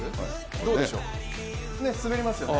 どうでしょう、滑りますよね。